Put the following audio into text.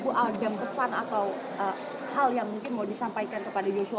ibu aljam pesan atau hal yang mungkin mau disampaikan kepada yosua